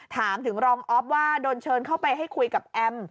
ถามถึงรองออฟว่าโดนเชิญเข้าไปให้คุยกับแอม